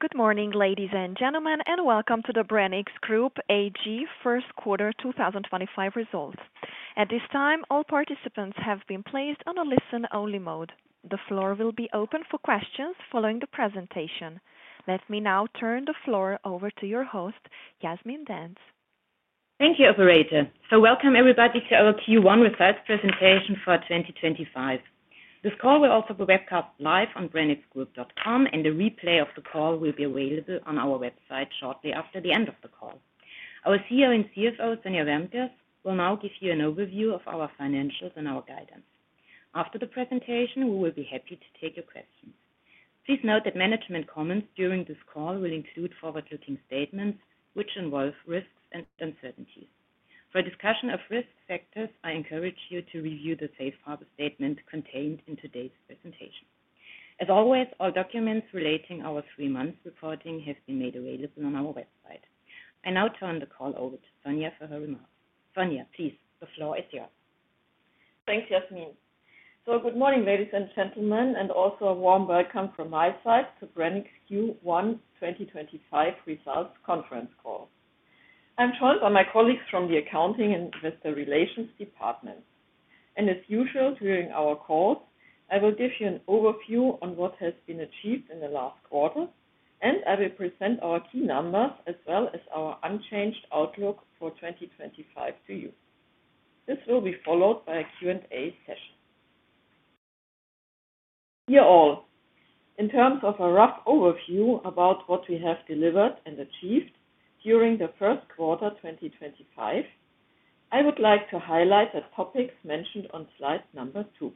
Good morning, ladies and gentlemen, and welcome to the Branicks Group AG First Quarter 2025 results. At this time, all participants have been placed on a listen-only mode. The floor will be open for questions following the presentation. Let me now turn the floor over to your host, Jasmin Dentz. Thank you, Operator. Welcome, everybody, to our Q1 Results Presentation for 2025. This call will also be webcast live on branicksgroup.com, and a replay of the call will be available on our website shortly after the end of the call. Our CEO and CFO, Sonja Wärntges, will now give you an overview of our financials and our guidance. After the presentation, we will be happy to take your questions. Please note that management comments during this call will include forward-looking statements which involve risks and uncertainties. For discussion of risk factors, I encourage you to review the safe harbor statement contained in today's presentation. As always, all documents relating to our three-month reporting have been made available on our website. I now turn the call over to Sonja for her remarks. Sonja, please, the floor is yours. Thanks, Jasmin. Good morning, ladies and gentlemen, and also a warm welcome from my side to Branicks Q1 2025 results conference call. I'm joined by my colleagues from the Accounting and Investor Relations Department. As usual, during our calls, I will give you an overview on what has been achieved in the last quarter, and I will present our key numbers as well as our unchanged outlook for 2025 to you. This will be followed by a Q&A session. Dear all, in terms of a rough overview about what we have delivered and achieved during the first quarter 2025, I would like to highlight the topics mentioned on slide number two.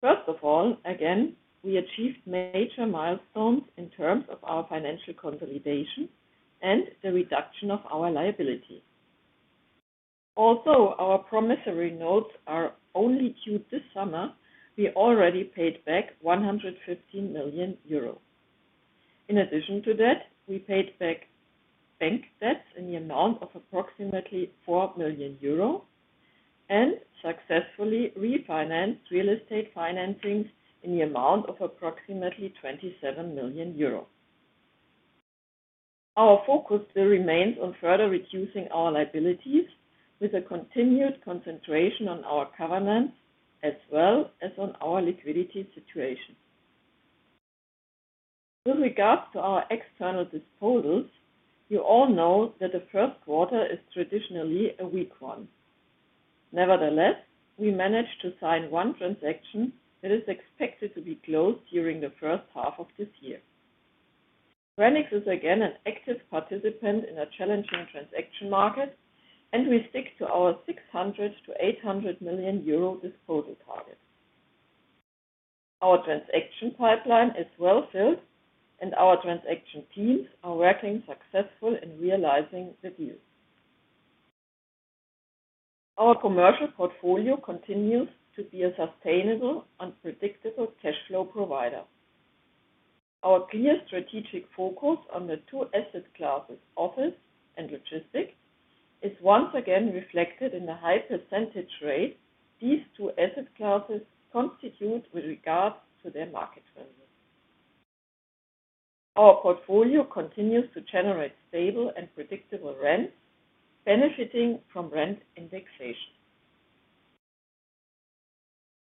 First of all, again, we achieved major milestones in terms of our financial consolidation and the reduction of our liability. Although our promissory notes are only due this summer, we already paid back 115 million euro. In addition to that, we paid back bank debts in the amount of approximately 4 million euro and successfully refinanced real estate financings in the amount of approximately 27 million euros. Our focus still remains on further reducing our liabilities with a continued concentration on our governance as well as on our liquidity situation. With regards to our external disposals, you all know that the first quarter is traditionally a weak one. Nevertheless, we managed to sign one transaction that is expected to be closed during the first half of this year. Branicks is again an active participant in a challenging transaction market, and we stick to our 600 million-800 million euro disposal target. Our transaction pipeline is well filled, and our transaction teams are working successfully in realizing the deal. Our commercial portfolio continues to be a sustainable, unpredictable cash flow provider. Our clear strategic focus on the two asset classes, office and logistics, is once again reflected in the high percentage rate these two asset classes constitute with regards to their market value. Our portfolio continues to generate stable and predictable rent, benefiting from rent indexation.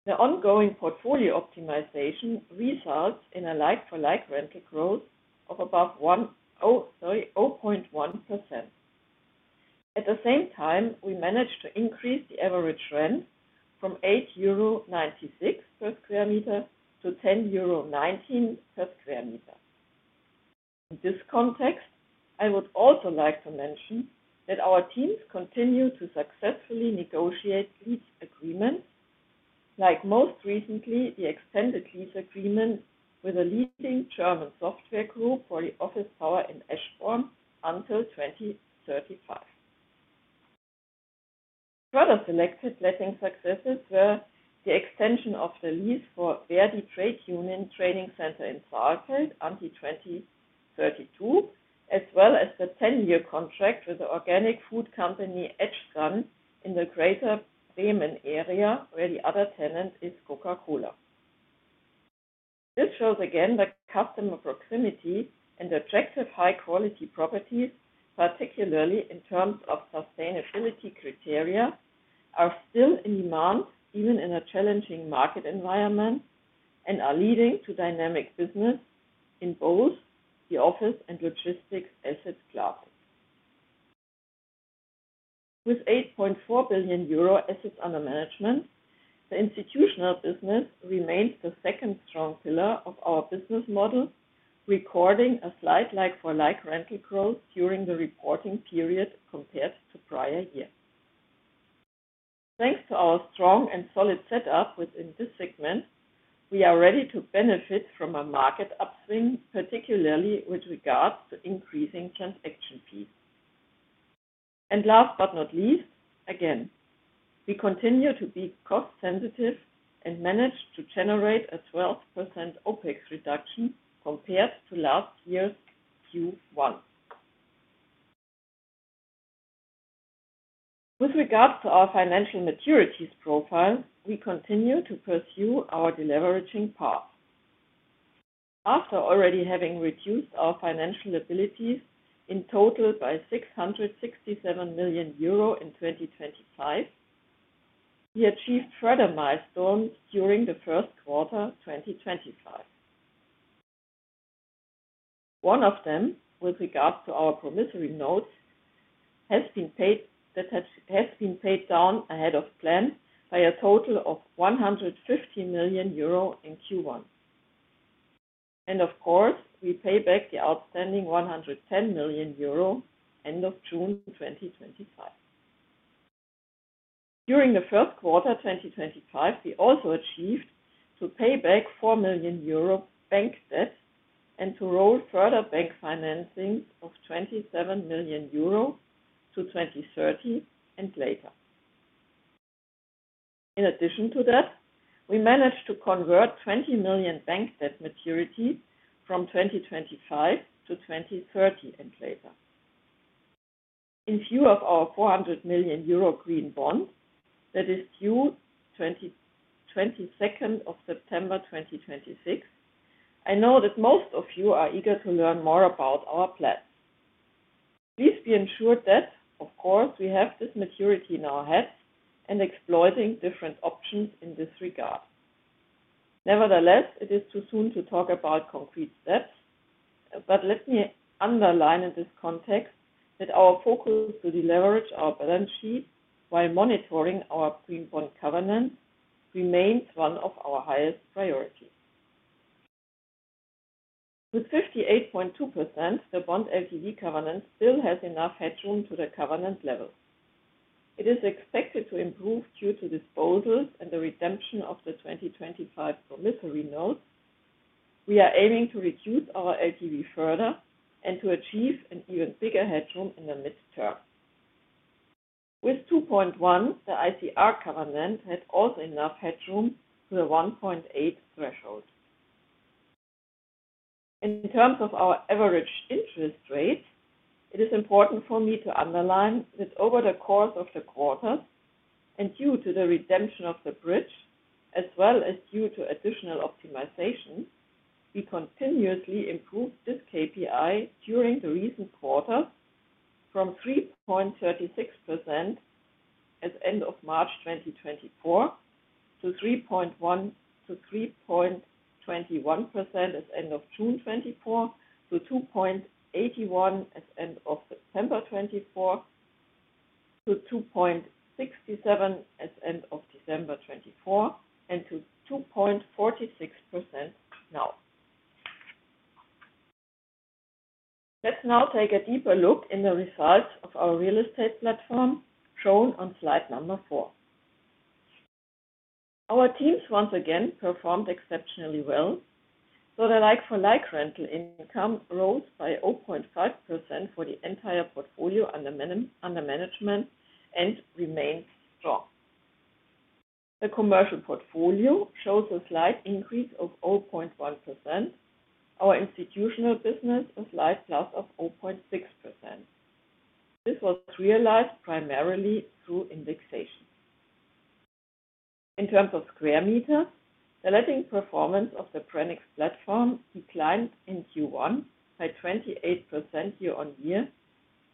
The ongoing portfolio optimization results in a like-for-like rental growth of above 0.1%. At the same time, we managed to increase the average rent from 8.96 euro per sq m to 10.19 euro per sq m. In this context, I would also like to mention that our teams continue to successfully negotiate lease agreements, like most recently the extended lease agreement with a leading German software group for the office property in Eschborn until 2035. Further selected letting successes were the extension of the lease for Verdi Trade Union Training Center in Saalfeld until 2032, as well as the 10-year contract with the organic food company Eschsan in the Greater Bremen area, where the other tenant is Coca-Cola. This shows again that customer proximity and objective high-quality properties, particularly in terms of sustainability criteria, are still in demand even in a challenging market environment and are leading to dynamic business in both the office and logistics asset classes. With 8.4 billion euro assets under management, the institutional business remains the second strong pillar of our business model, recording a slight like-for-like rental growth during the reporting period compared to prior years. Thanks to our strong and solid setup within this segment, we are ready to benefit from a market upswing, particularly with regards to increasing transaction fees. Last but not least, again, we continue to be cost-sensitive and manage to generate a 12% OPEX reduction compared to last year's Q1. With regards to our financial maturities profile, we continue to pursue our deleveraging path. After already having reduced our financial liabilities in total by 667 million euro in 2025, we achieved further milestones during the first quarter 2025. One of them, with regards to our promissory notes, has been paid down ahead of plan by a total of 150 million euro in Q1. Of course, we pay back the outstanding 110 million euro end of June 2025. During the first quarter 2025, we also achieved to pay back 4 million euro bank debt and to roll further bank financings of 27 million euro to 2030 and later. In addition to that, we managed to convert 20 million bank debt maturity from 2025 to 2030 and later. In view of our 400 million euro green bond that is due 22nd September 2026, I know that most of you are eager to learn more about our plans. Please be ensured that, of course, we have this maturity in our heads and exploiting different options in this regard. Nevertheless, it is too soon to talk about concrete steps, but let me underline in this context that our focus to deleverage our balance sheet while monitoring our green bond covenant remains one of our highest priorities. With 58.2%, the bond LTV covenant still has enough headroom to the covenant level. It is expected to improve due to disposals and the redemption of the 2025 promissory notes. We are aiming to reduce our LTV further and to achieve an even bigger headroom in the midterm. With 2.1, the ICR covenant has also enough headroom to the 1.8 threshold. In terms of our average interest rate, it is important for me to underline that over the course of the quarters and due to the redemption of the bridge, as well as due to additional optimizations, we continuously improved this KPI during the recent quarters from 3.36% at the end of March 2024 to 3.1%-3.21% at the end of June 2024 to 2.81% at the end of September 2024 to 2.67% at the end of December 2024 and to 2.46% now. Let's now take a deeper look in the results of our real estate platform shown on slide number four. Our teams once again performed exceptionally well, so the like-for-like rental income rose by 0.5% for the entire portfolio under management and remained strong. The commercial portfolio shows a slight increase of 0.1%. Our institutional business is a slight plus of 0.6%. This was realized primarily through indexation. In terms of square meters, the letting performance of the Branicks platform declined in Q1 by 28%YoY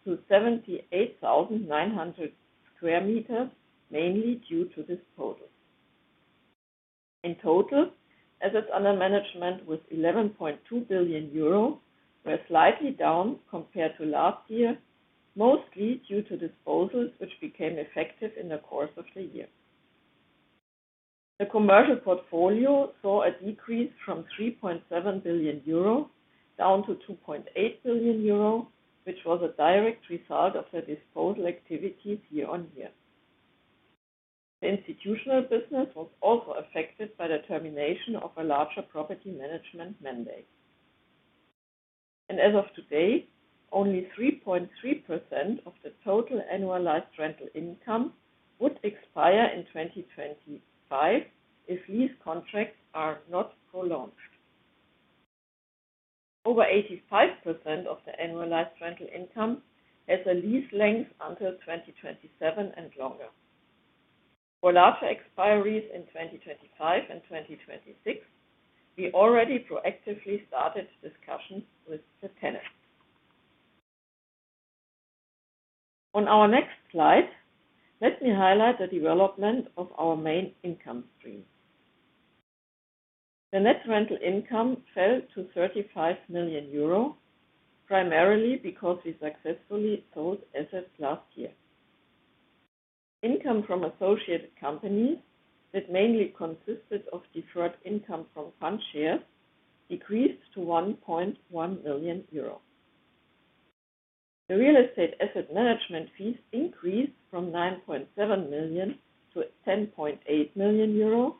to 78,900 square meters, mainly due to disposals. In total, assets under management with 11.2 billion euro were slightly down compared to last year, mostly due to disposals which became effective in the course of the year. The commercial portfolio saw a decrease from 3.7 billion euro down to 2.8 billion euro, which was a direct result of the disposal activitiesYoY. The institutional business was also affected by the termination of a larger property management mandate. As of today, only 3.3% of the total annualized rental income would expire in 2025 if lease contracts are not prolonged. Over 85% of the annualized rental income has a lease length until 2027 and longer. For larger expiries in 2025 and 2026, we already proactively started discussions with the tenants. On our next slide, let me highlight the development of our main income stream. The net rental income fell to 35 million euro, primarily because we successfully sold assets last year. Income from associated companies that mainly consisted of deferred income from fund shares decreased to 1.1 million euro. The real estate asset management fees increased from 9.7 million to 10.8 million euro,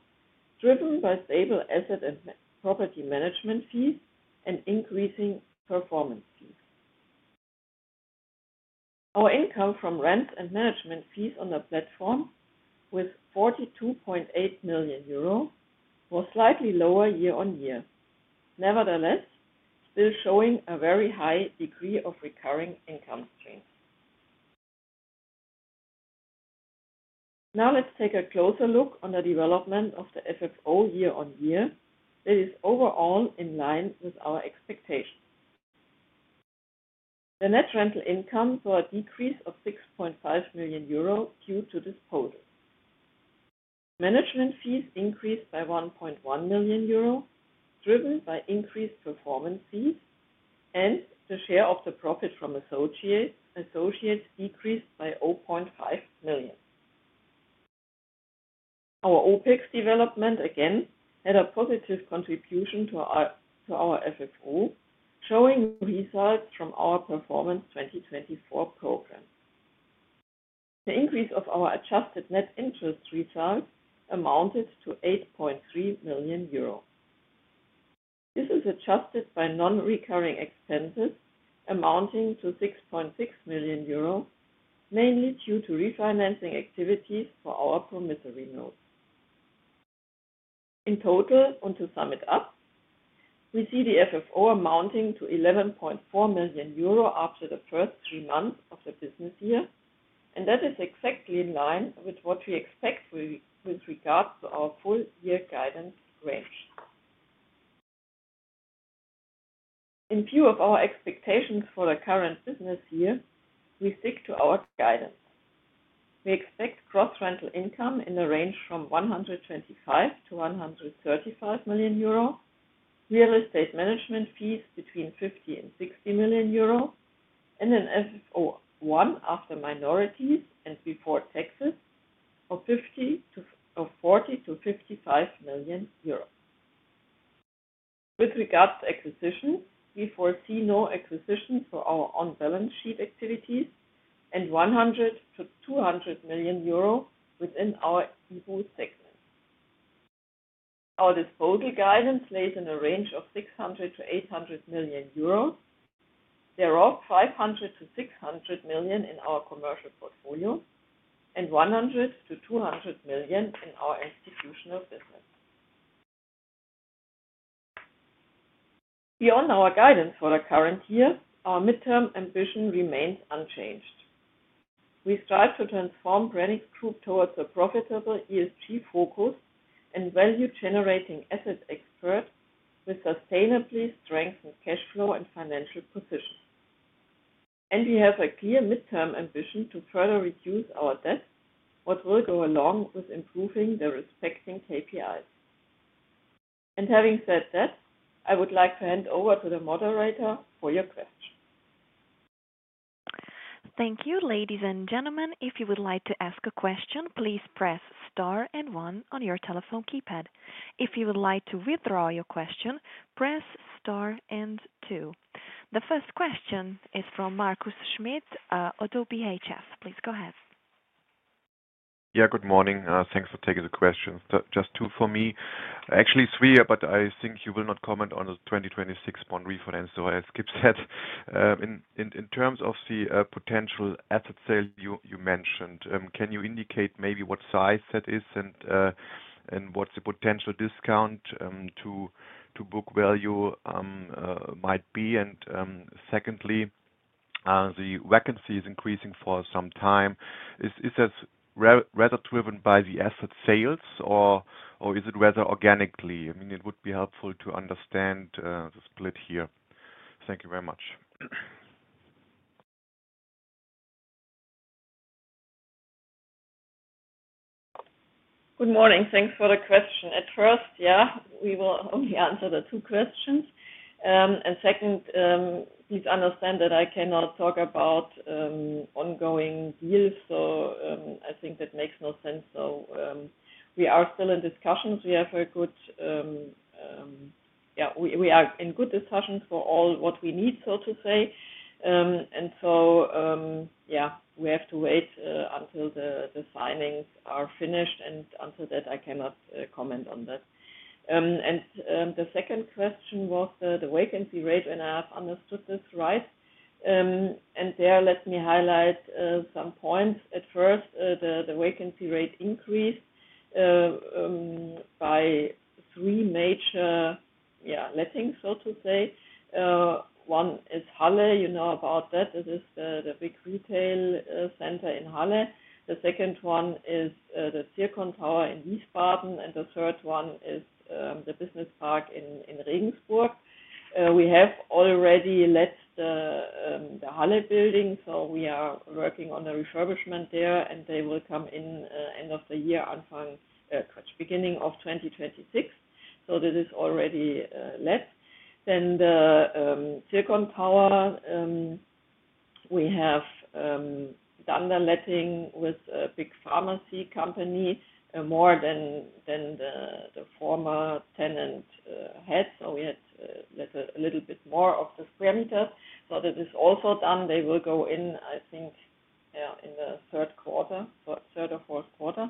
driven by stable asset and property management fees and increasing performance fees. Our income from rent and management fees on the platform, with 42.8 million euro, was slightly lowerYoY, nevertheless still showing a very high degree of recurring income streams. Now let's take a closer look on the development of the FFOYoY that is overall in line with our expectations. The net rental income saw a decrease of 6.5 million euro due to disposals. Management fees increased by 1.1 million euro, driven by increased performance fees, and the share of the profit from associates decreased by 0.5 million. Our OPEX development again had a positive contribution to our FFO, showing results from our performance 2024 program. The increase of our adjusted net interest results amounted to 8.3 million euro. This is adjusted by non-recurring expenses amounting to 6.6 million euro, mainly due to refinancing activities for our promissory notes. In total, to sum it up, we see the FFO amounting to 11.4 million euro after the first three months of the business year, and that is exactly in line with what we expect with regards to our full year guidance range. In view of our expectations for the current business year, we stick to our guidance. We expect cross-rental income in the range from 125 million-135 million euro, real estate management fees between 50 million-60 million euro, and an FFO1 after minorities and before taxes of 40 million-55 million euros. With regards to acquisitions, we foresee no acquisitions for our on-balance sheet activities and 100 million-200 million euro within our EBU segment. Our disposal guidance lies in a range of 600 million-800 million euros. There are 500 million-600 million in our commercial portfolio and 100 million-200 million in our institutional business. Beyond our guidance for the current year, our midterm ambition remains unchanged. We strive to transform Branicks Group towards a profitable ESG-focused and value-generating asset expert with sustainably strengthened cash flow and financial position. We have a clear midterm ambition to further reduce our debt, what will go along with improving the respecting KPIs. Having said that, I would like to hand over to the moderator for your question. Thank you, ladies and gentlemen. If you would like to ask a question, please press star and one on your telephone keypad. If you would like to withdraw your question, press star and two. The first question is from Markus Schmitt at ODDO BHF. Please go ahead. Yeah, good morning. Thanks for taking the question. Just two for me. Actually, three, but I think you will not comment on the 2026 bond refinance, so I'll skip that. In terms of the potential asset sale you mentioned, can you indicate maybe what size that is and what the potential discount to book value might be? And secondly, the vacancy is increasing for some time. Is that rather driven by the asset sales, or is it rather organically? I mean, it would be helpful to understand the split here. Thank you very much. Good morning. Thanks for the question. At first, yeah, we will only answer the two questions. Second, please understand that I cannot talk about ongoing deals, so I think that makes no sense. We are still in discussions. We have a good, yeah, we are in good discussions for all what we need, so to say. We have to wait until the signings are finished, and until that, I cannot comment on that. The second question was the vacancy rate, and I have understood this right. There, let me highlight some points. At first, the vacancy rate increased by three major, yeah, lettings, so to say. One is Halle. You know about that. This is the big retail center in Halle. The second one is the Zircon Tower in Wiesbaden, and the third one is the business park in Regensburg. We have already let the Halle building, so we are working on the refurbishment there, and they will come in end of the year, beginning of 2026. This is already let. The Zircon Tower, we have done the letting with a big pharmacy company, more than the former tenant had. We had a little bit more of the square meters. This is also done. They will go in, I think, yeah, in the third quarter, third or fourth quarter.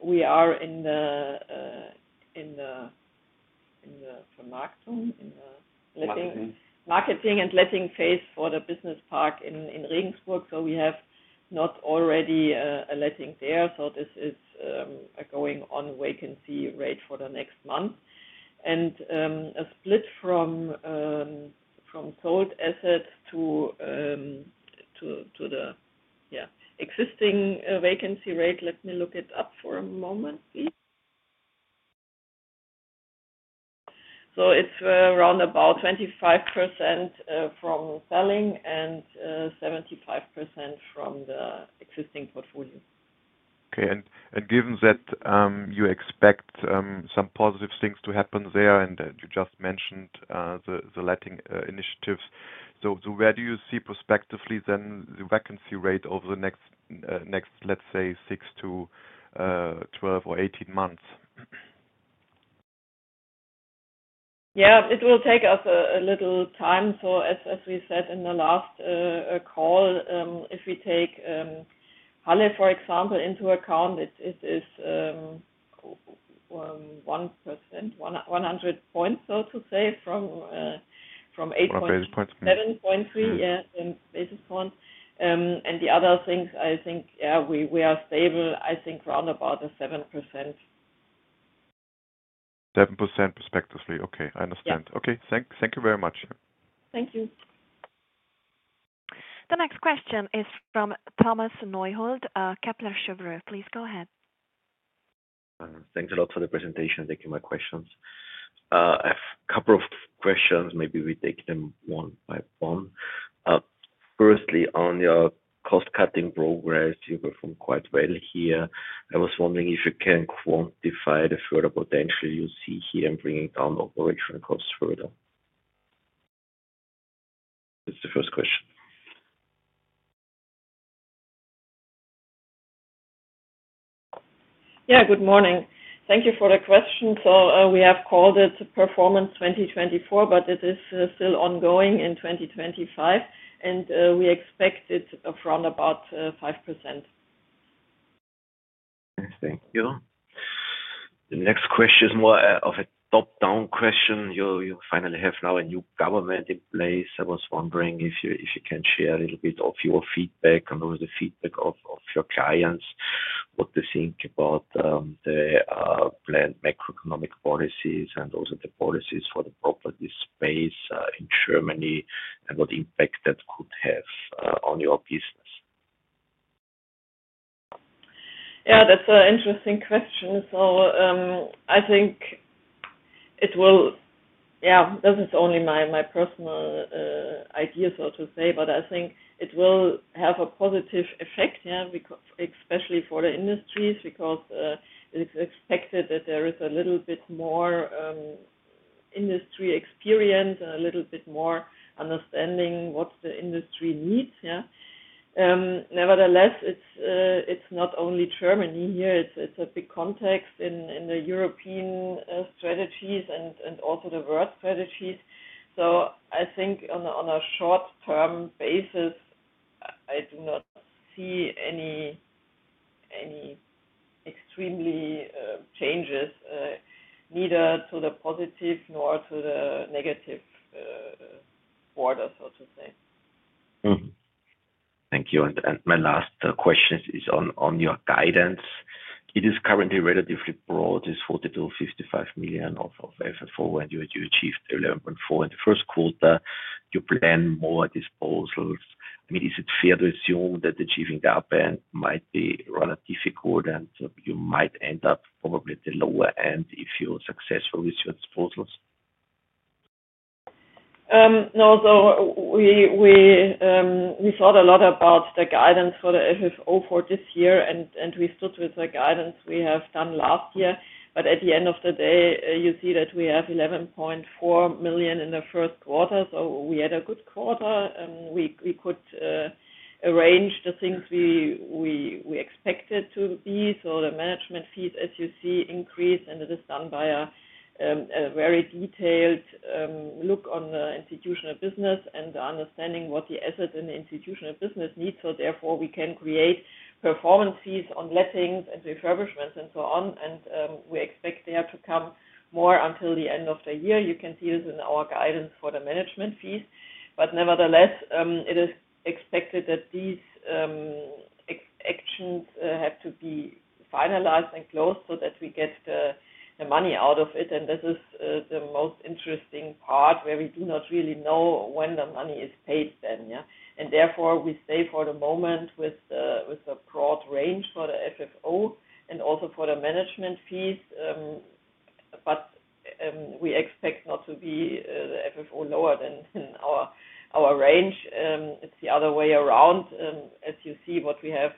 We are in the Vermarktum, in the letting. Marketing. Marketing and letting phase for the business park in Regensburg, so we have not already a letting there. This is a going-on vacancy rate for the next month. A split from sold assets to the, yeah, existing vacancy rate. Let me look it up for a moment, please. It is around 25% from selling and 75% from the existing portfolio. Okay. Given that you expect some positive things to happen there, and you just mentioned the letting initiatives, where do you see prospectively the vacancy rate over the next, let's say, 6-12 or 18 months? It will take us a little time. As we said in the last call, if we take Halle, for example, into account, it is 1 percentage point, 100 basis points, so to say, from 8.7. 7.3, yeah, basis points. The other things, I think, we are stable, I think, around 7%. 7% prospectively. Okay. I understand. Thank you very much. Thank you. The next question is from Thomas Neuhold, Kepler Cheuvreux. Please go ahead. Thanks a lot for the presentation. Thank you for my questions. I have a couple of questions. Maybe we take them one by one. Firstly, on your cost-cutting progress, you perform quite well here. I was wondering if you can quantify the further potential you see here in bringing down operational costs further. That's the first question. Yeah, good morning. Thank you for the question. So we have called it performance 2024, but it is still ongoing in 2025, and we expect it from about 5%. Thank you. The next question is more of a top-down question. You finally have now a new government in place. I was wondering if you can share a little bit of your feedback and also the feedback of your clients, what they think about the planned macroeconomic policies and also the policies for the property space in Germany and what impact that could have on your business. Yeah, that's an interesting question. I think it will, yeah, this is only my personal idea, so to say, but I think it will have a positive effect, yeah, especially for the industries because it's expected that there is a little bit more industry experience and a little bit more understanding what the industry needs, yeah. Nevertheless, it's not only Germany here. It's a big context in the European strategies and also the world strategies. I think on a short-term basis, I do not see any extremely changes, neither to the positive nor to the negative order, so to say. Thank you. My last question is on your guidance. It is currently relatively broad. It is 42 million-55 million of FFO, and you achieved 11.4 million in the first quarter. You plan more disposals. I mean, is it fair to assume that achieving that might be rather difficult, and you might end up probably at the lower end if you are successful with your disposals? No, we thought a lot about the guidance for the FFO for this year, and we stood with the guidance we have done last year. At the end of the day, you see that we have 11.4 million in the first quarter, so we had a good quarter. We could arrange the things we expected to be. The management fees, as you see, increase, and it is done by a very detailed look on the institutional business and understanding what the asset and the institutional business needs. Therefore, we can create performance fees on lettings and refurbishments and so on, and we expect they have to come more until the end of the year. You can see this in our guidance for the management fees. Nevertheless, it is expected that these actions have to be finalized and closed so that we get the money out of it. This is the most interesting part where we do not really know when the money is paid then, yeah. Therefore, we stay for the moment with a broad range for the FFO and also for the management fees, but we expect not to be the FFO lower than our range. It is the other way around. As you see what we have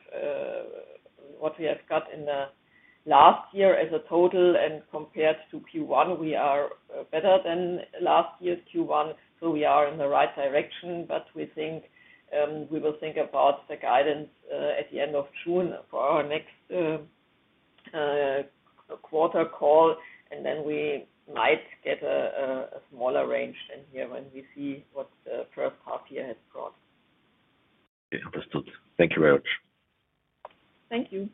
got in the last year as a total, and compared to Q1, we are better than last year's Q1. We are in the right direction, but we will think about the guidance at the end of June for our next quarter call, and then we might get a smaller range than here when we see what the first half year has brought. Okay. Understood. Thank you very much. Thank you.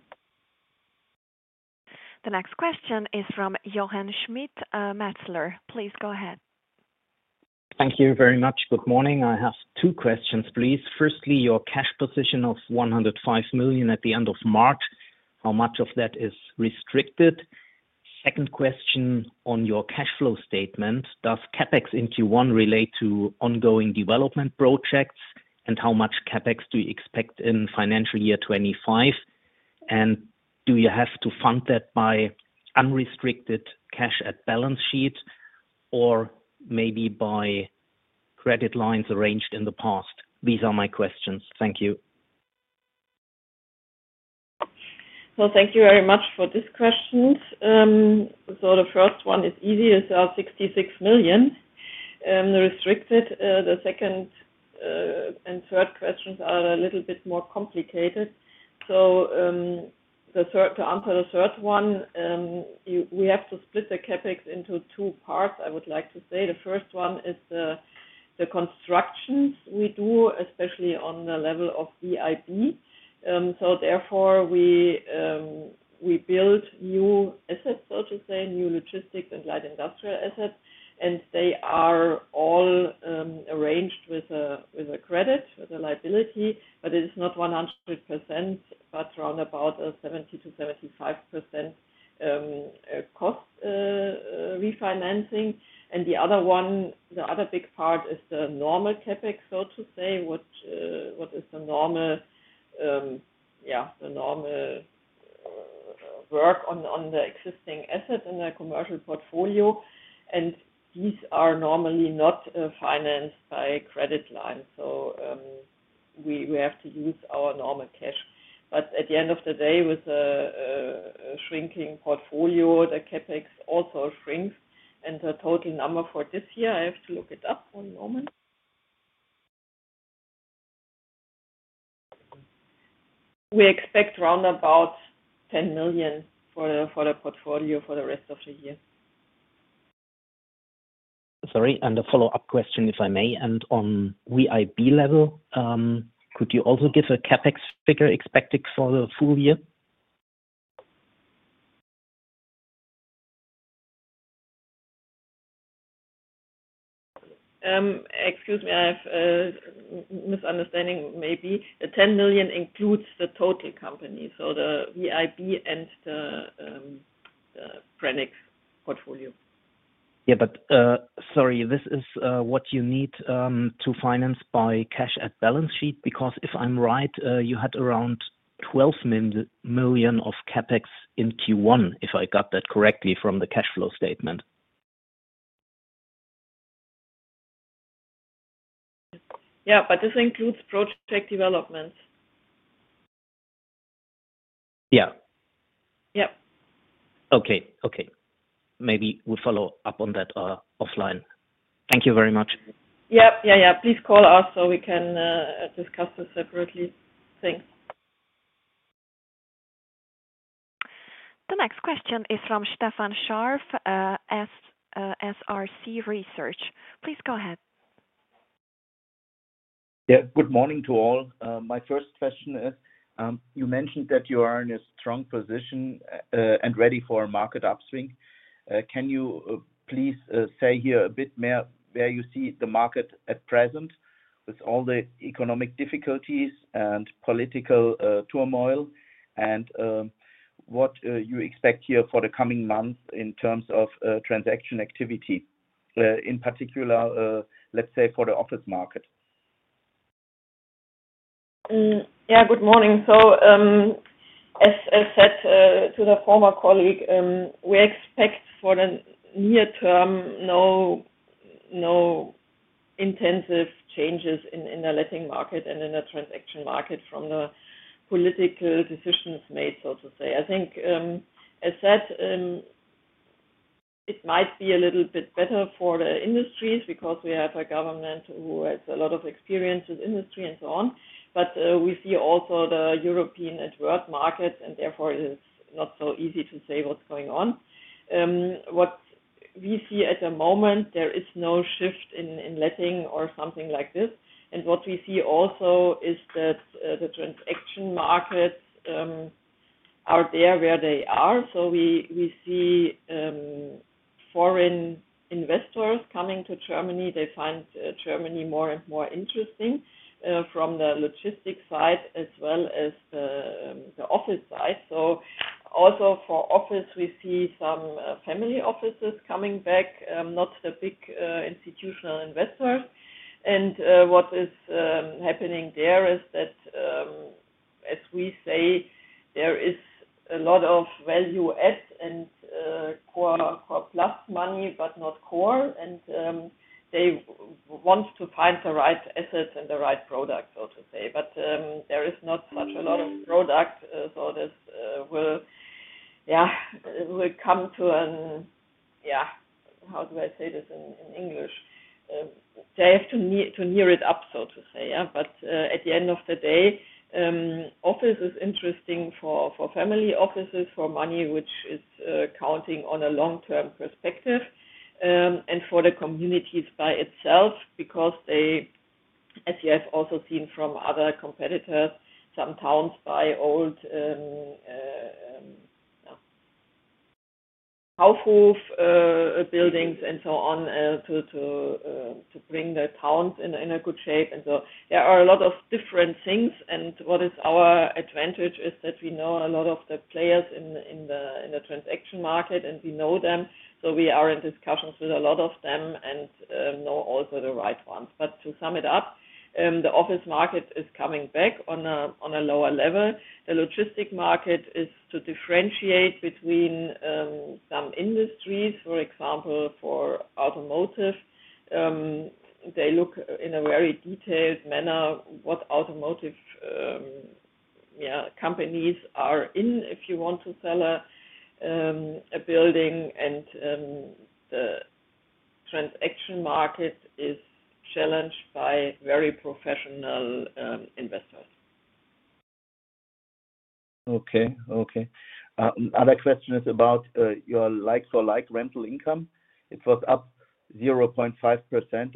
The next question is from Johann Schmidt Metzler. Please go ahead. Thank you very much. Good morning. I have two questions, please. Firstly, your cash position of 105 million at the end of March, how much of that is restricted? Second question on your cash flow statement. Does CapEx in Q1 relate to ongoing development projects, and how much CapEx do you expect in financial year 2025? Do you have to fund that by unrestricted cash at balance sheet or maybe by credit lines arranged in the past? These are my questions. Thank you. Thank you very much for these questions. The first one is easy. It is 66 million. The restricted, the second and third questions are a little bit more complicated. To answer the third one, we have to split the CapEx into two parts, I would like to say. The first one is the constructions we do, especially on the level of VIP. Therefore, we build new assets, so to say, new logistics and light industrial assets, and they are all arranged with a credit, with a liability, but it is not 100%, but around about 70-75% cost refinancing. The other one, the other big part, is the normal CapEx, so to say. What is the normal, yeah, the normal work on the existing asset and the commercial portfolio? These are normally not financed by credit lines, so we have to use our normal cash. At the end of the day, with a shrinking portfolio, the CapEx also shrinks, and the total number for this year, I have to look it up one moment. We expect around 10 million for the portfolio for the rest of the year. Sorry, a follow-up question, if I may. On VIP level, Yeah, but sorry, this is what you need to finance by cash at balance sheet because if I'm right, you had around 12 million of CapEx in Q1, if I got that correctly from the cash flow statement. Yeah, but this includes project developments. Yeah. Okay. Maybe we'll follow up on that offline. Thank you very much. Yep. Please call us so we can discuss this separately. Thanks. The next question is from Stefan Scharff, SRC Research. Please go ahead. Yeah. Good morning to all. My first question is, you mentioned that you are in a strong position and ready for a market upswing. Can you please say here a bit more where you see the market at present with all the economic difficulties and political turmoil and what you expect here for the coming months in terms of transaction activity, in particular, let's say, for the office market? Yeah, good morning. As I said to the former colleague, we expect for the near term no intensive changes in the letting market and in the transaction market from the political decisions made, so to say. I think, as said, it might be a little bit better for the industries because we have a government who has a lot of experience with industry and so on, but we see also the European and world markets, and therefore, it is not so easy to say what's going on. What we see at the moment, there is no shift in letting or something like this. What we see also is that the transaction markets are there where they are. We see foreign investors coming to Germany. They find Germany more and more interesting from the logistics side as well as the office side. Also for office, we see some family offices coming back, not the big institutional investors. What is happening there is that, as we say, there is a lot of value-add and core plus money, but not core, and they want to find the right assets and the right product, so to say. There is not such a lot of product, so this will, yeah, will come to an, yeah, how do I say this in English? They have to near it up, so to say, yeah. At the end of the day, office is interesting for family offices, for money, which is counting on a long-term perspective, and for the communities by itself because they, as you have also seen from other competitors, sometimes buy old household buildings and so on to bring the towns in a good shape. There are a lot of different things, and what is our advantage is that we know a lot of the players in the transaction market, and we know them, so we are in discussions with a lot of them and know also the right ones. To sum it up, the office market is coming back on a lower level. The logistic market is to differentiate between some industries. For example, for automotive, they look in a very detailed manner what automotive, yeah, companies are in if you want to sell a building, and the transaction market is challenged by very professional investors. Okay. Other question is about your like-for-like rental income. It was up 0.5%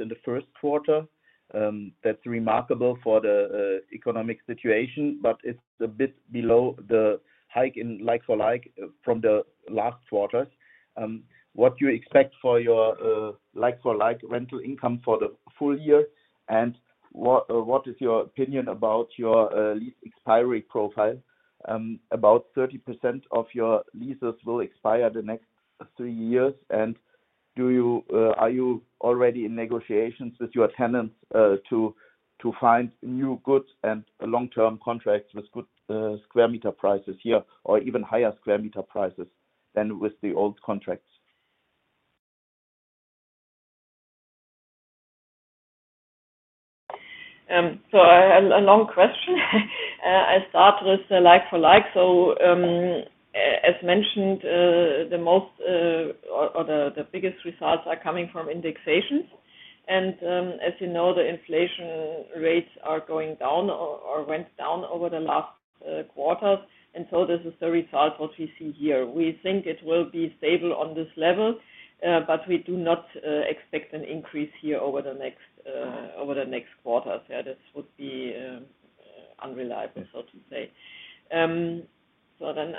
in the first quarter. That is remarkable for the economic situation, but it is a bit below the hike in like-for-like from the last quarters. What do you expect for your like-for-like rental income for the full year? What is your opinion about your lease expiry profile? About 30% of your leases will expire the next three years, and are you already in negotiations with your tenants to find new goods and long-term contracts with good square meter prices here or even higher square meter prices than with the old contracts? A long question. I start with the like-for-like. As mentioned, the most or the biggest results are coming from indexations. As you know, the inflation rates are going down or went down over the last quarters, and this is the result we see here. We think it will be stable on this level, but we do not expect an increase here over the next quarters. Yeah, this would be unreliable, so to say.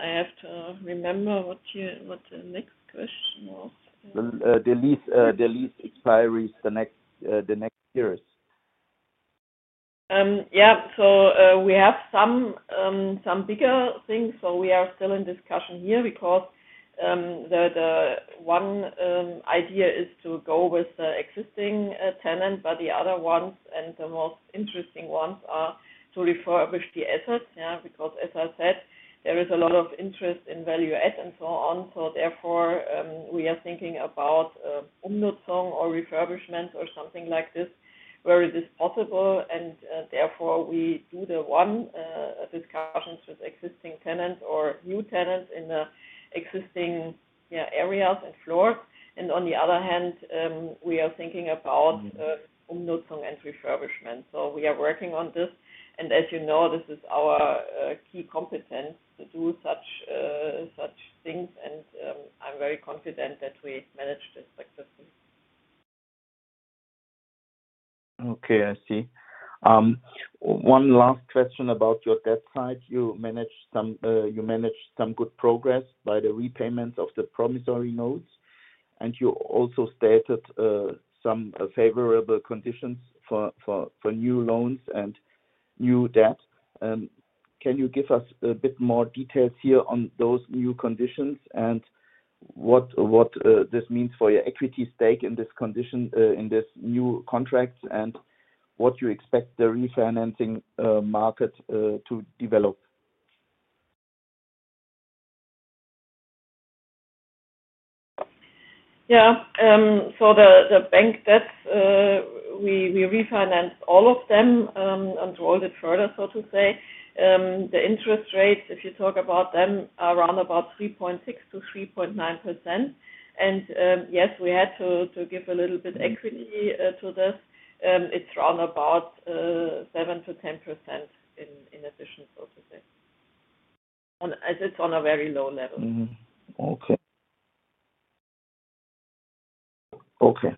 I have to remember what the next question was. The lease expiry is the next years. Yeah. We have some bigger things, so we are still in discussion here because the one idea is to go with the existing tenant, but the other ones and the most interesting ones are to refurbish the assets, yeah, because as I said, there is a lot of interest in value-add and so on. Therefore, we are thinking about umnutzung or refurbishment or something like this where it is possible, and therefore, we do the one discussions with existing tenants or new tenants in the existing areas and floors. On the other hand, we are thinking about umnutzung and refurbishment. We are working on this, and as you know, this is our key competence to do such things, and I'm very confident that we manage this successfully. Okay. I see. One last question about your debt side. You managed some good progress by the repayment of the promissory notes, and you also stated some favorable conditions for new loans and new debt. Can you give us a bit more details here on those new conditions and what this means for your equity stake in this new contract and what you expect the refinancing market to develop? Yeah. The bank debts, we refinanced all of them and rolled it further, so to say. The interest rates, if you talk about them, are around about 3.6-3.9%. Yes, we had to give a little bit equity to this. It's around about 7%-10% in addition, so to say. It's on a very low level. Okay. Okay.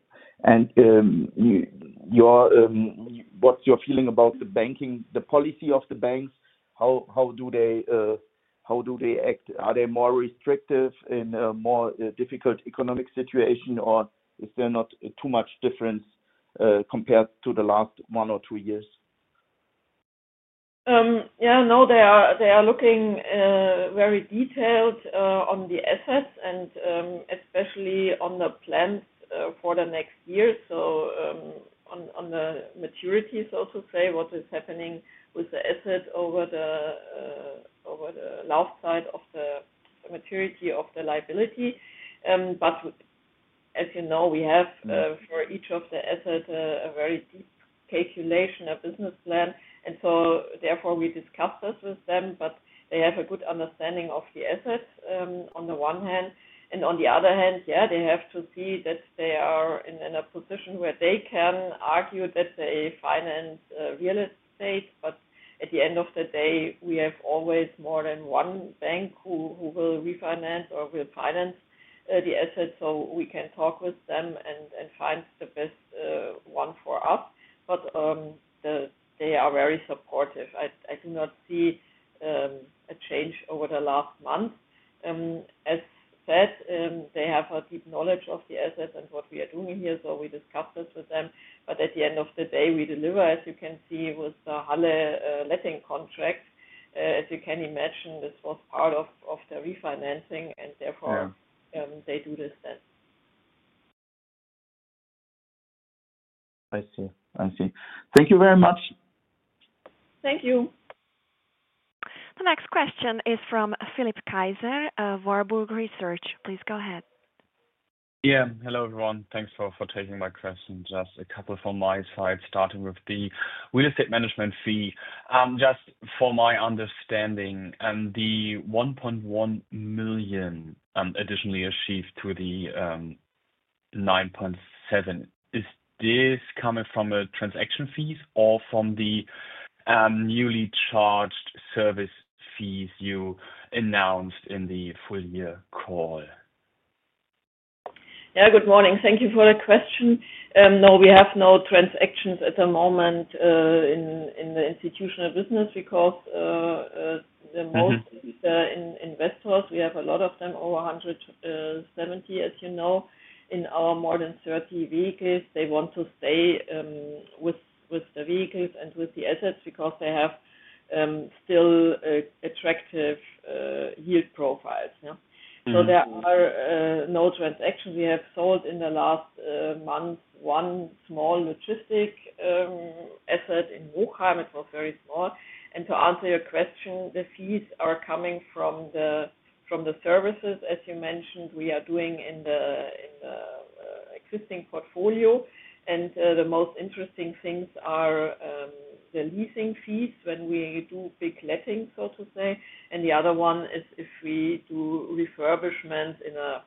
What's your feeling about the banking, the policy of the banks? How do they act? Are they more restrictive in a more difficult economic situation, or is there not too much difference compared to the last one or two years? Yeah. No, they are looking very detailed on the assets and especially on the plans for the next year, so on the maturities, so to say, what is happening with the asset over the lifetime of the maturity of the liability. As you know, we have for each of the assets a very deep calculation, a business plan, and so therefore, we discussed this with them. They have a good understanding of the assets on the one hand. On the other hand, yeah, they have to see that they are in a position where they can argue that they finance real estate, but at the end of the day, we have always more than one bank who will refinance or will finance the assets, so we can talk with them and find the best one for us. They are very supportive. I do not see a change over the last month. As said, they have a deep knowledge of the assets and what we are doing here, so we discussed this with them. At the end of the day, we deliver, as you can see, with the Halle letting contract. As you can imagine, this was part of the refinancing, and therefore, they do this then. I see. I see. Thank you very much. Thank you. The next question is from Philipp Kaiser, Warburg Research. Please go ahead. Yeah. Hello, everyone. Thanks for taking my question. Just a couple from my side, starting with the real estate management fee. Just for my understanding, the 1.1 million additionally achieved to the 9.7 million, is this coming from transaction fees or from the newly charged service fees you announced in the full-year call? Yeah. Good morning. Thank you for the question. No, we have no transactions at the moment in the institutional business because most investors, we have a lot of them, over 170, as you know, in our more than 30 vehicles. They want to stay with the vehicles and with the assets because they have still attractive yield profiles. There are no transactions. We have sold in the last month one small logistics asset in Muchheim. It was very small. To answer your question, the fees are coming from the services, as you mentioned, we are doing in the existing portfolio. The most interesting things are the leasing fees when we do big letting, so to say. The other one is if we do refurbishment in a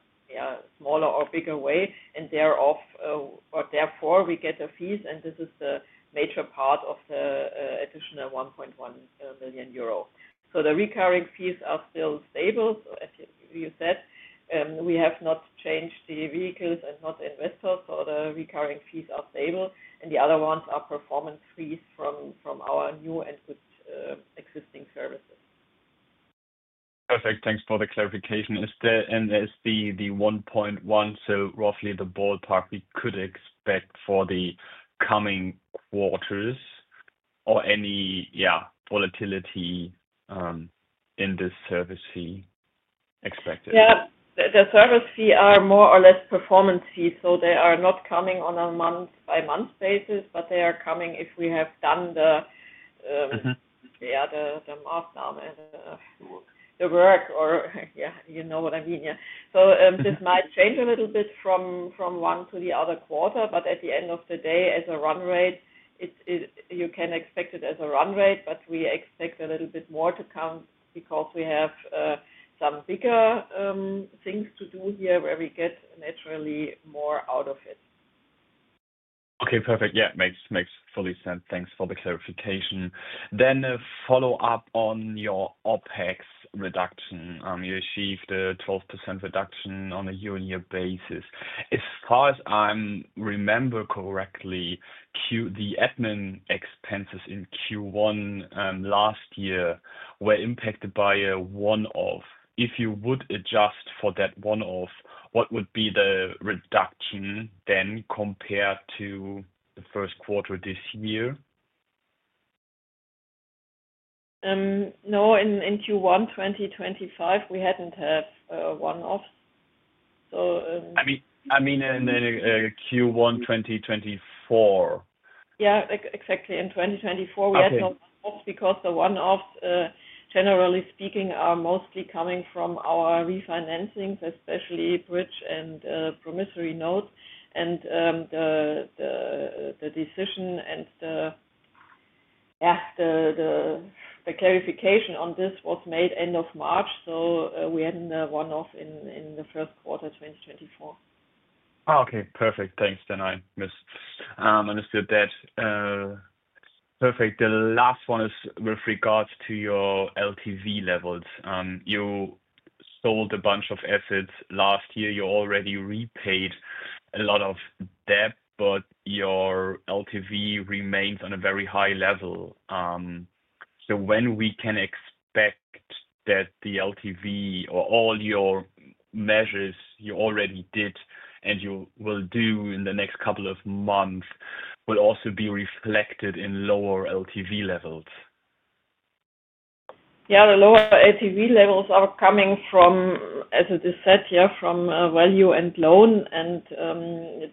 smaller or bigger way, and therefore we get the fees, and this is the major part of the additional 1.1 million euro. The recurring fees are still stable, as you said. We have not changed the vehicles and not the investors, so the recurring fees are stable. The other ones are performance fees from our new and good existing services. Perfect. Thanks for the clarification. Is the 1.1 still roughly the ballpark we could expect for the coming quarters or any, yeah, volatility in this service fee expected? Yeah. The service fees are more or less performance fees, so they are not coming on a month-by-month basis, but they are coming if we have done the, yeah, the markdown and the work, or yeah, you know what I mean, yeah. This might change a little bit from one to the other quarter, but at the end of the day, as a run rate, you can expect it as a run rate, but we expect a little bit more to come because we have some bigger things to do here where we get naturally more out of it. Okay. Perfect. Yeah. Makes fully sense. Thanks for the clarification. Then a follow-up on your OPEX reduction. You achieved a 12% reduction on a YoY basis. As far as I remember correctly, the admin expenses in Q1 last year were impacted by a one-off. If you would adjust for that one-off, what would be the reduction then compared to the first quarter this year? No, in Q1 2025, we had not had a one-off, so. I mean, in Q1 2024. Yeah. Exactly. In 2024, we had no one-offs because the one-offs, generally speaking, are mostly coming from our refinancings, especially bridge and promissory notes. The decision and the, yeah, the clarification on this was made end of March, so we had not had a one-off in the first quarter 2024. Okay. Perfect. Thanks for that. Perfect. The last one is with regards to your LTV levels. You sold a bunch of assets last year. You already repaid a lot of debt, but your LTV remains on a very high level. When can we expect that the LTV or all your measures you already did and you will do in the next couple of months will also be reflected in lower LTV levels? Yeah. The lower LTV levels are coming from, as it is said, from value and loan.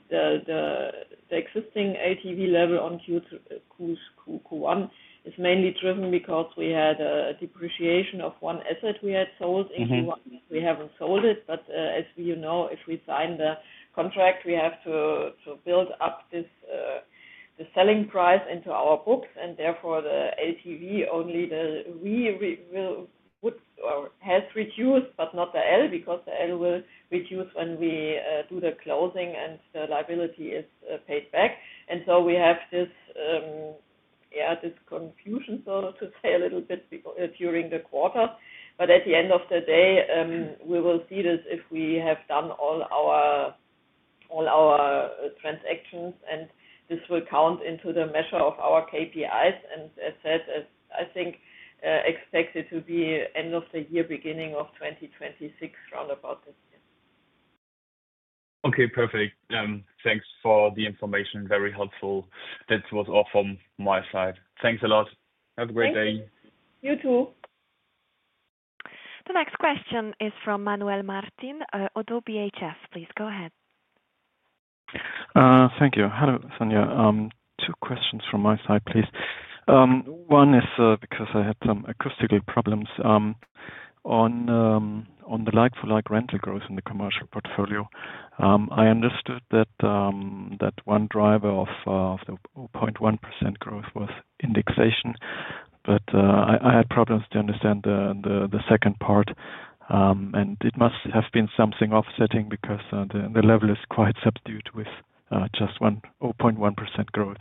The existing LTV level on Q1 is mainly driven because we had a depreciation of one asset we had sold in Q1. We have not sold it, but as you know, if we sign the contract, we have to build up the selling price into our books, and therefore the LTV only that we would or has reduced, but not the L because the L will reduce when we do the closing and the liability is paid back. We have this, yeah, this confusion, so to say, a little bit during the quarter. At the end of the day, we will see this if we have done all our transactions, and this will count into the measure of our KPIs. As said, I think expect it to be end of the year, beginning of 2026, round about this year. Okay. Perfect. Thanks for the information. Very helpful. That was all from my side. Thanks a lot. Have a great day. You too. The next question is from Manuel Martin. ODDO BHF, please go ahead. Thank you. Hello, Sonja. Two questions from my side, please. One is because I had some acoustical problems on the like-for-like rental growth in the commercial portfolio. I understood that one driver of the 0.1% growth was indexation, but I had problems to understand the second part, and it must have been something offsetting because the level is quite substitute with just one 0.1% growth.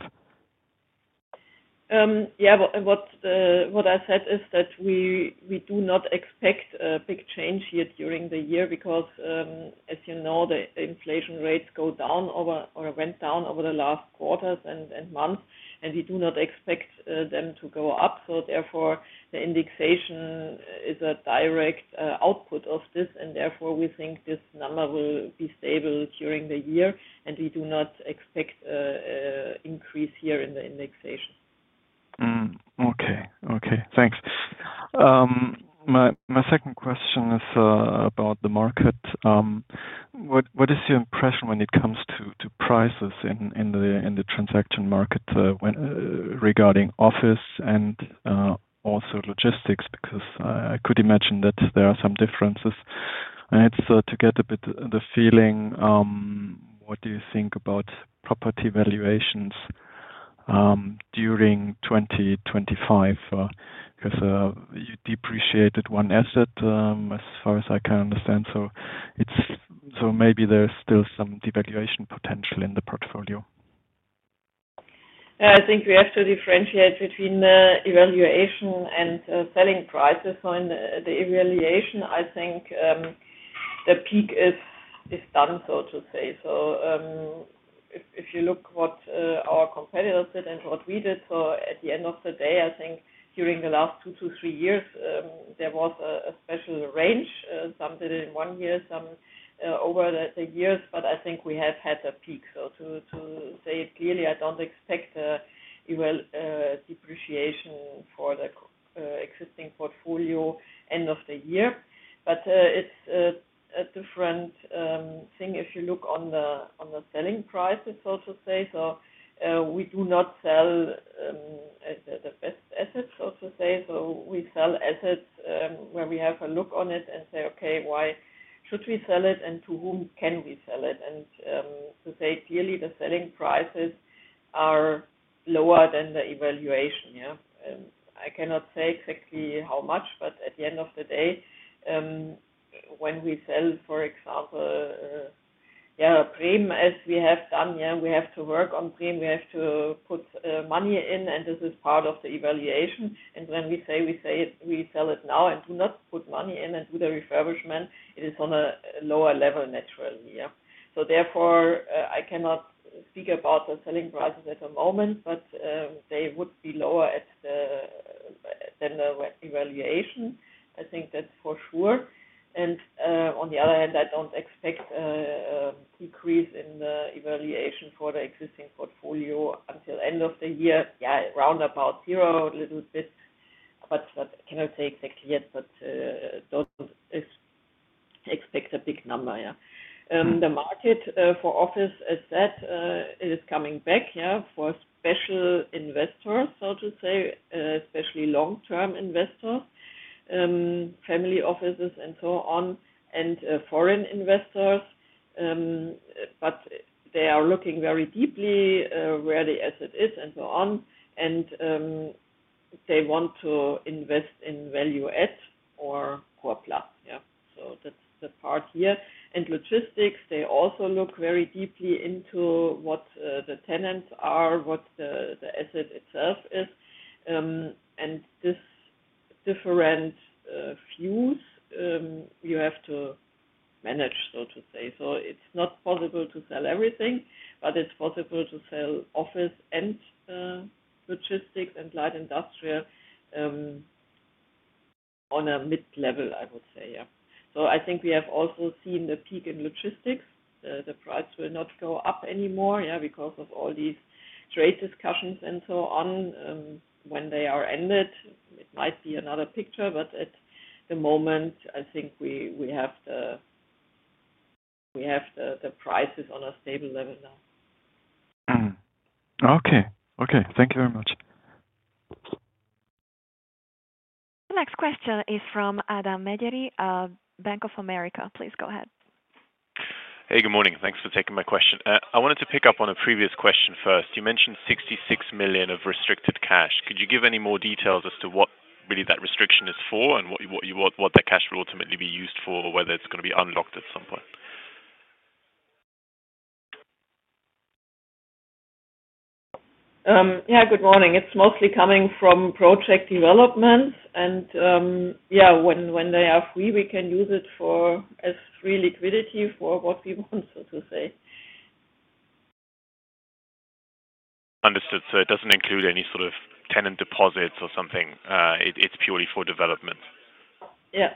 Yeah. What I said is that we do not expect a big change here during the year because, as you know, the inflation rates go down or went down over the last quarters and months, and we do not expect them to go up. Therefore, the indexation is a direct output of this, and therefore we think this number will be stable during the year, and we do not expect an increase here in the indexation. Okay. Okay. Thanks. My second question is about the market. What is your impression when it comes to prices in the transaction market regarding office and also logistics? Because I could imagine that there are some differences. And it's to get a bit the feeling, what do you think about property valuations during 2025? Because you depreciated one asset as far as I can understand, so maybe there's still some devaluation potential in the portfolio. Yeah. I think we have to differentiate between evaluation and selling prices. In the evaluation, I think the peak is done, so to say. If you look at what our competitors did and what we did, at the end of the day, I think during the last two to three years, there was a special range, some did it in one year, some over the years, but I think we have had a peak. To say it clearly, I do not expect a depreciation for the existing portfolio end of the year. It is a different thing if you look on the selling prices, so to say. We do not sell the best assets, so to say. We sell assets where we have a look on it and say, "Okay, why should we sell it, and to whom can we sell it?" To say it clearly, the selling prices are lower than the evaluation, yeah. I cannot say exactly how much, but at the end of the day, when we sell, for example, yeah, a prim as we have done, yeah, we have to work on prim; we have to put money in, and this is part of the evaluation. When we say we sell it now and do not put money in and do the refurbishment, it is on a lower level, naturally, yeah. Therefore, I cannot speak about the selling prices at the moment, but they would be lower than the evaluation. I think that's for sure. On the other hand, I don't expect a decrease in the evaluation for the existing portfolio until end of the year, yeah, around about zero, a little bit, but I cannot say exactly yet, but don't expect a big number, yeah. The market for office, as said, it is coming back, yeah, for special investors, so to say, especially long-term investors, family offices, and so on, and foreign investors. They are looking very deeply where the asset is and so on, and they want to invest in value-add or core plus, yeah. That's the part here. Logistics, they also look very deeply into what the tenants are, what the asset itself is. This different views you have to manage, so to say. It is not possible to sell everything, but it is possible to sell office and logistics and light industrial on a mid level, I would say, yeah. I think we have also seen a peak in logistics. The price will not go up anymore, yeah, because of all these trade discussions and so on. When they are ended, it might be another picture, but at the moment, I think we have the prices on a stable level now. Okay. Thank you very much. The next question is from Adam Megyeri, Bank of America. Please go ahead. Hey, good morning. Thanks for taking my question. I wanted to pick up on a previous question first. You mentioned 66 million of restricted cash. Could you give any more details as to what really that restriction is for and what that cash will ultimately be used for, whether it's going to be unlocked at some point? Yeah. Good morning. It's mostly coming from project development. And yeah, when they are free, we can use it as free liquidity for what we want, so to say. Understood. So it doesn't include any sort of tenant deposits or something. It's purely for development. Yeah.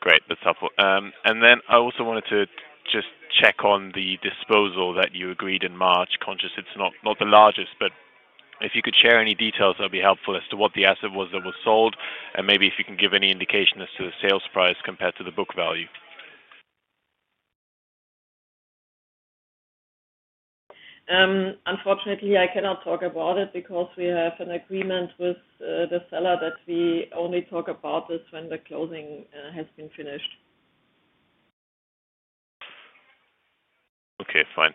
Great. That's helpful. I also wanted to just check on the disposal that you agreed in March, conscious it's not the largest, but if you could share any details, that would be helpful as to what the asset was that was sold, and maybe if you can give any indication as to the sales price compared to the book value. Unfortunately, I cannot talk about it because we have an agreement with the seller that we only talk about this when the closing has been finished. Okay. Fine.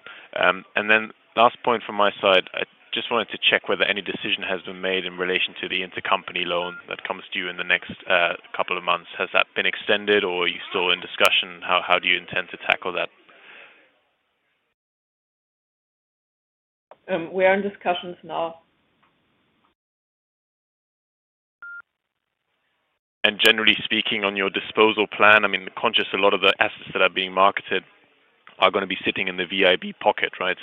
Last point from my side, I just wanted to check whether any decision has been made in relation to the intercompany loan that comes to you in the next couple of months. Has that been extended, or are you still in discussion? How do you intend to tackle that? We are in discussions now. Generally speaking, on your disposal plan, I mean, conscious a lot of the assets that are being marketed are going to be sitting in the VIB pocket, right,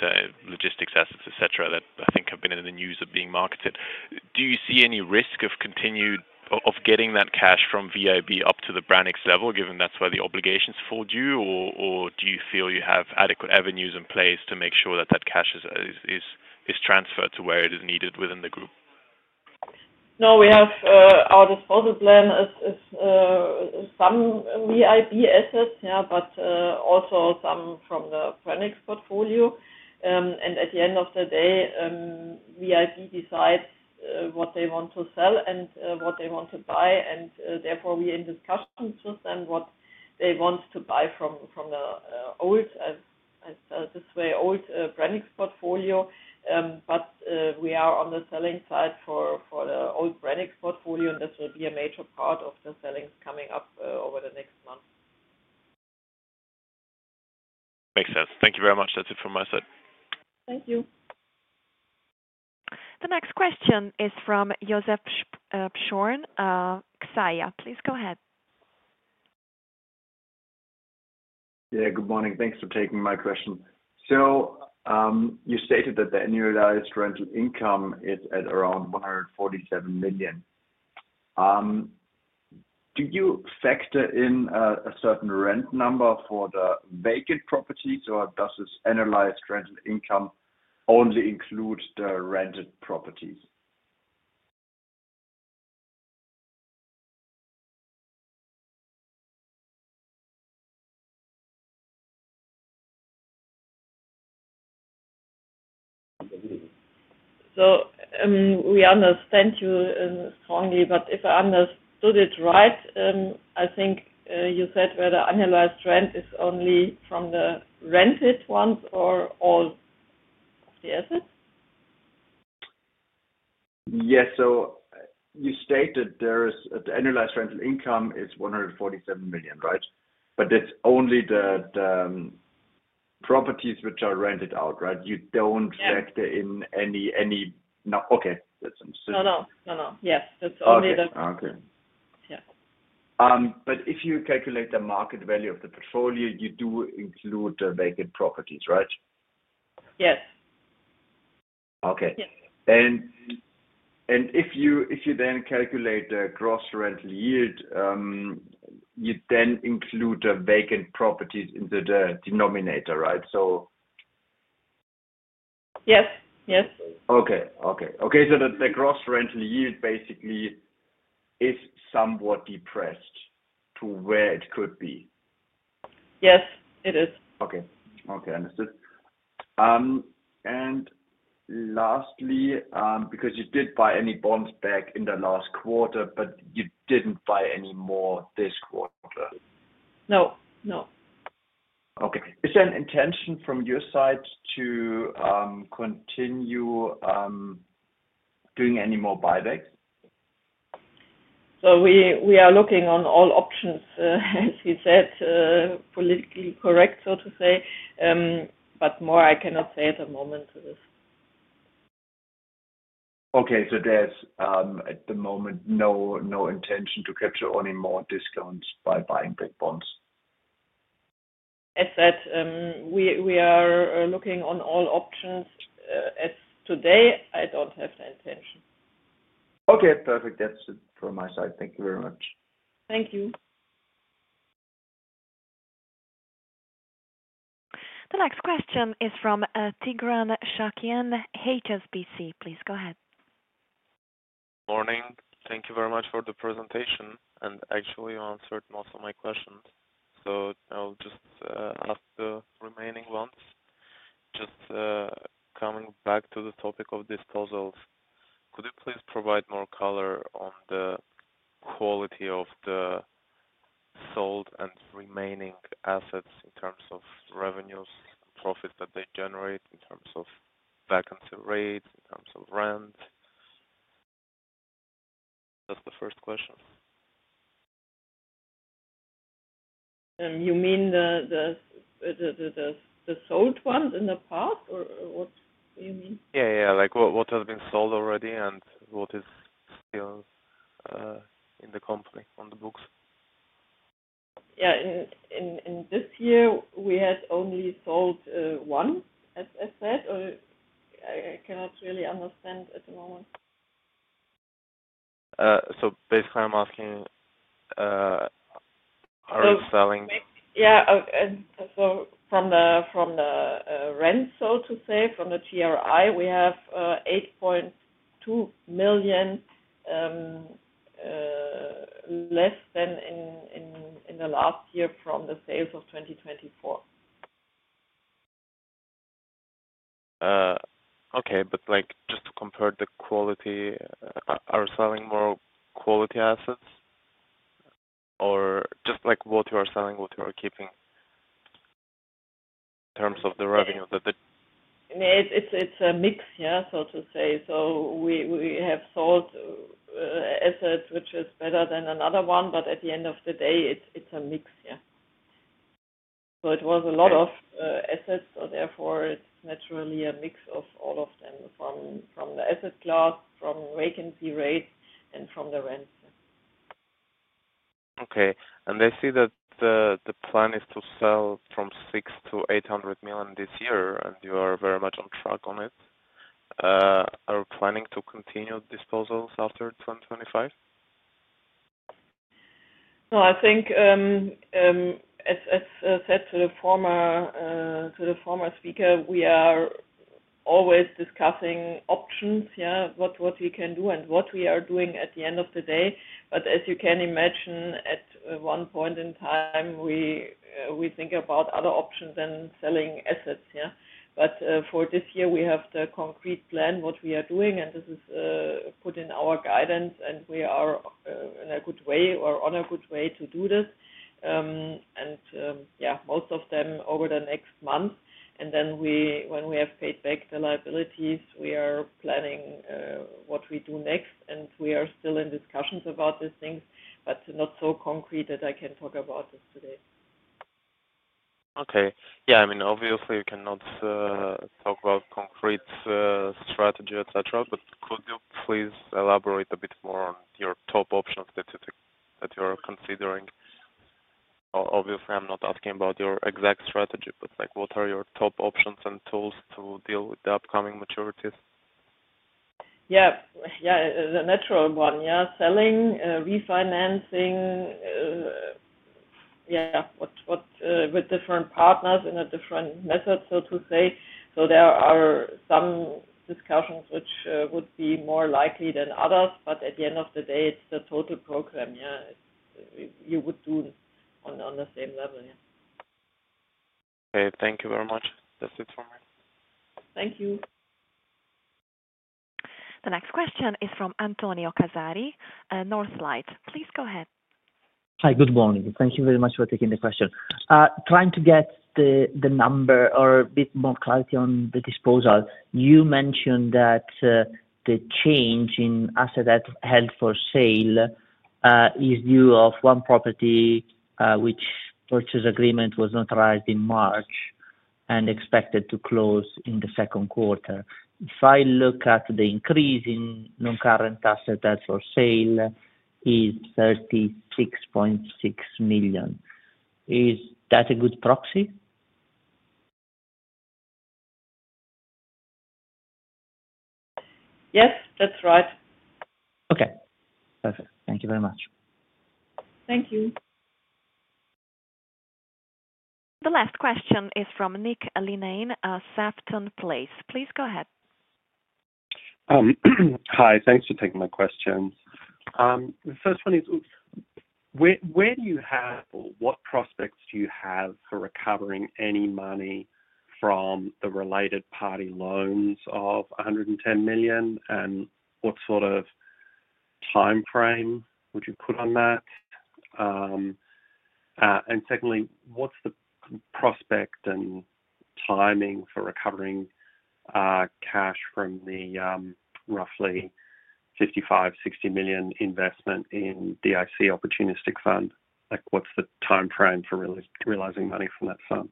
logistics assets, etc., that I think have been in the news of being marketed. Do you see any risk of getting that cash from VIB up to the Branicks level, given that's where the obligations fall due, or do you feel you have adequate avenues in place to make sure that that cash is transferred to where it is needed within the group? No, we have our disposal plan. It's some VIB assets, yeah, but also some from the Branicks portfolio. At the end of the day, VIB decides what they want to sell and what they want to buy, and therefore we are in discussions with them what they want to buy from the old, as I said this way, old Branicks portfolio. We are on the selling side for the old Branicks portfolio, and this will be a major part of the sellings coming up over the next month. Makes sense. Thank you very much. That's it from my side. Thank you. The next question is from Joseph Pschorn, XAIA. Please go ahead. Yeah. Good morning. Thanks for taking my question. You stated that the annualized rental income is at around 147 million. Do you factor in a certain rent number for the vacant properties, or does this annualized rental income only include the rented properties? We understand you strongly, but if I understood it right, I think you said where the annualized rent is only from the rented ones or all of the assets? Yes. You stated the annualized rental income is 147 million, right? But it is only the properties which are rented out, right? You do not factor in any. Okay. That is interesting. No, no, no, no. Yes. It is only the. Okay. Okay. Yeah. If you calculate the market value of the portfolio, you do include the vacant properties, right? Yes. Okay. If you then calculate the gross rental yield, you then include the vacant properties into the denominator, right? Yes. Yes. Okay. Okay. The gross rental yield basically is somewhat depressed to where it could be. Yes, it is. Okay. Understood. Lastly, because you did buy any bonds back in the last quarter, but you did not buy any more this quarter. No. No. Is there an intention from your side to continue doing any more buybacks? We are looking on all options, as you said, politically correct, so to say, but more I cannot say at the moment to this. T here is at the moment no intention to capture any more discounts by buying big bonds. As said, we are looking on all options as today. I do not have the intention. Perfect. That is it from my side. Thank you very much. Thank you. The next question is from Tigran Shakhkian, HSBC. Please go ahead. Morning. Thank you very much for the presentation, and actually you answered most of my questions. I will just ask the remaining ones. Just coming back to the topic of disposals, could you please provide more color on the quality of the sold and remaining assets in terms of revenues and profits that they generate, one, but at the end of the day, it's a mix, yeah. It was a lot of assets, so therefore it's naturally a mix of all of them from the asset class, from vacancy rates, and from the rents. Okay. I see that the plan is to sell 600 million-800 million this year, and you are very much on track on it. Are you planning to continue disposals after 2025? No. I think, as said to the former speaker, we are always discussing options, yeah, what we can do and what we are doing at the end of the day. As you can imagine, at one point in time, we think about other options than selling assets, yeah. For this year, we have the concrete plan what we are doing, and this is put in our guidance, and we are in a good way or on a good way to do this. Yeah, most of them over the next month. When we have paid back the liabilities, we are planning what we do next, and we are still in discussions about these things, but not so concrete that I can talk about this today. Okay. Yeah. I mean, obviously, we cannot talk about concrete strategy, etc., but could you please elaborate a bit more on your top options that you are considering? Obviously, I'm not asking about your exact strategy, but what are your top options and tools to deal with the upcoming maturities? Yeah. The natural one, yeah. Selling, refinancing, yeah, with different partners in a different method, so to say. There are some discussions which would be more likely than others, but at the end of the day, it's the total program, yeah, you would do on the same level, yeah. Okay. Thank you very much. That's it from me. Thank you. The next question is from Antonio Casari, Northlight. Please go ahead. Hi. Good morning. Thank you very much for taking the question. Trying to get the number or a bit more clarity on the disposal. You mentioned that the change in asset held for sale is due to one property which purchase agreement was notarized in March and expected to close in the second quarter. If I look at the increase in non-current asset that's for sale, it's 36.6 million. Is that a good proxy? Yes. That's right. Okay. Perfect. Thank you very much. Thank you. The last question is from Nick Linnane, Sefton Place. Please go ahead. Hi. Thanks for taking my question. The first one is, where do you have or what prospects do you have for recovering any money from the related party loans of 110 million, and what sort of timeframe would you put on that? Secondly, what's the prospect and timing for recovering cash from the roughly 55-60 million investment in DIC Opportunistic Fund? What's the timeframe for realizing money from that fund?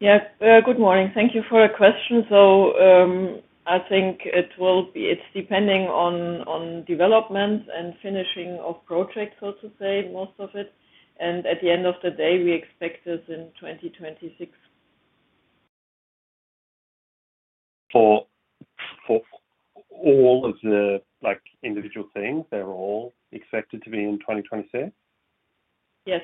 Yeah. Good morning. Thank you for the question. I think it will be, it's depending on development and finishing of projects, so to say, most of it. At the end of the day, we expect it in 2026. For all of the individual things, they're all expected to be in 2026? Yes.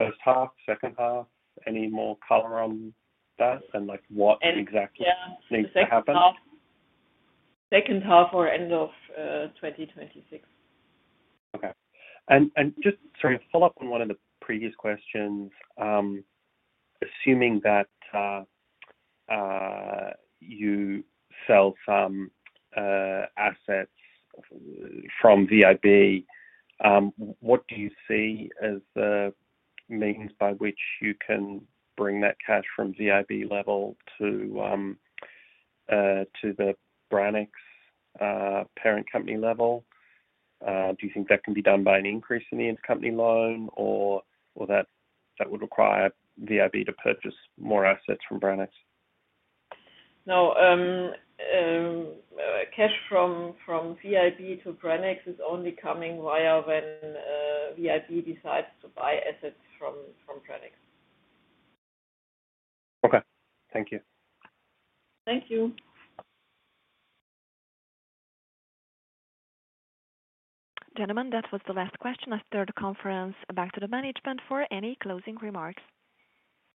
First half, second half, any more color on that, and what exactly needs to happen? Second half or end of 2026. Okay. Just sort of follow up on one of the previous questions. Assuming that you sell some assets from VIB, what do you see as the means by which you can bring that cash from VIB level to the Branicks parent company level? Do you think that can be done by an increase in the intercompany loan, or that would require VIB to purchase more assets from Branicks? No. Cash from VIB to Branicks is only coming via when VIB decides to buy assets from Branicks. Okay. Thank you. Thank you. Gentlemen, that was the last question after the conference. Back to the management for any closing remarks.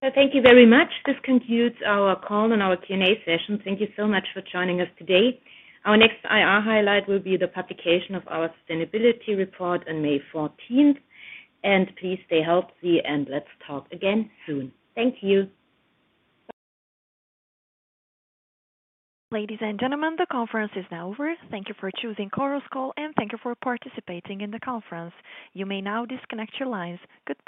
Thank you very much. This concludes our call and our Q&A session. Thank you so much for joining us today. Our next IR highlight will be the publication of our sustainability report on May 14th. Please stay healthy, and let's talk again soon. Thank you. Ladies and gentlemen, the conference is now over. Thank you for choosing CorosCall, and thank you for participating in the conference. You may now disconnect your lines. Good.